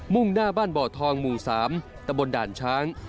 ่งหน้าบ้านบ่อทองหมู่๓ตะบนด่านช้าง